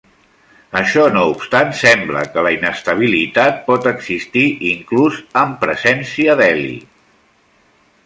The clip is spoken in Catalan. Això no obstant, sembla que la inestabilitat pot existir inclús amb presència d'heli.